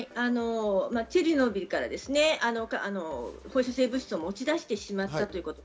チェルノブイリから放射性物質を持ち出してしまったということ。